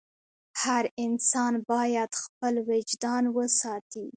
هر انسان باید خپل وجدان وساتي.